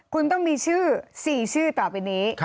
คุณต้องมีชื่อ๔ชื่อต่อไปนี้